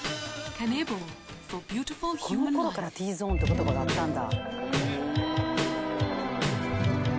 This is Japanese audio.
この頃から「Ｔゾーン」って言葉があったんだ。